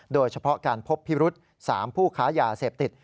โดยเฉพาะการพบพิรุษ๓ผู้ค้ายาเสพติด